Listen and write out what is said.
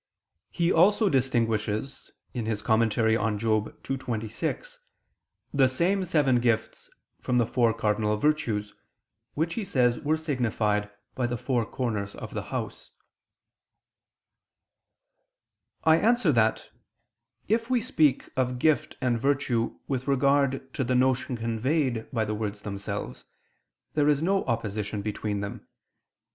He also distinguishes (Moral. ii, 26) the same seven gifts from the four cardinal virtues, which he says were signified by the four corners of the house. I answer that, If we speak of gift and virtue with regard to the notion conveyed by the words themselves, there is no opposition between them.